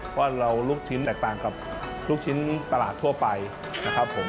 เพราะเราลูกชิ้นแตกต่างกับลูกชิ้นปลาทั่วไปนะครับผม